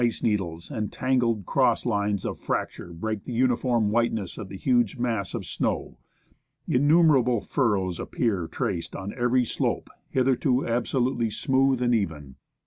ELIAS ice needles, and tangled cross lines of fracture break the uni form whiteness of the huge mass of snow. Innumerable furrows appear traced on every, slope, hitherto absolutely smooth and even.